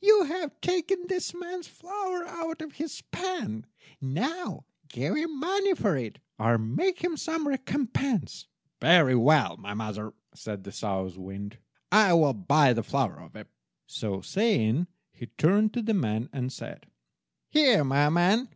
You have taken this man's flour out of his pan. Now give him money for it, or make him some recompense." "Very well, mother," said the South wind, "I will buy the flour of him." So saying, he turned to the man, and said— "Here, my man.